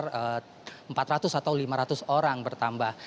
sekitar empat ratus atau lima ratus orang bertambah